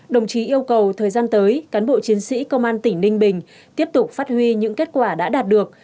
đồng chí yêu cầu thời gian tới cán bộ chiến sĩ công an tỉnh ninh bình tiếp tục phát huy những kết quả đã đạt được